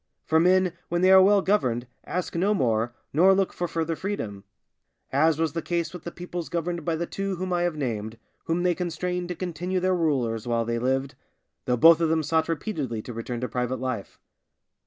For men, when they are well governed, ask no more, nor look for further freedom; as was the case with the peoples governed by the two whom I have named, whom they constrained to continue their rulers while they lived, though both of them sought repeatedly to return to private life.